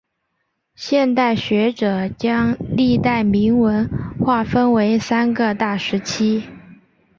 现代学者将历代铭文划分为三个大时期。